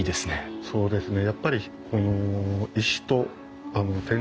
そうですね。